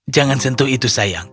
jangan sentuh itu sayang